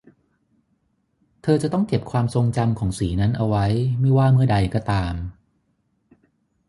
เธอจะต้องเก็บความทรงจำของสีนั้นเอาไว้ไม่ว่าเมื่อใดก็ตาม